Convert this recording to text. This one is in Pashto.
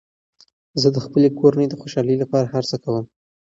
زه د خپلې کورنۍ د خوشحالۍ لپاره هر څه کوم.